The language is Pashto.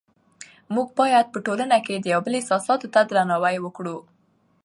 موږ باید په ټولنه کې د یو بل احساساتو ته درناوی وکړو